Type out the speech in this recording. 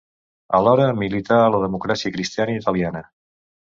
Alhora, milità a la Democràcia Cristiana Italiana.